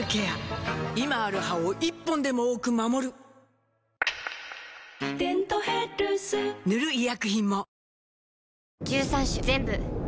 今ある歯を１本でも多く守る「デントヘルス」塗る医薬品も